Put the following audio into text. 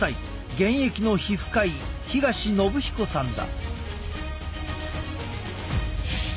現役の皮膚科医東禹彦さんだ。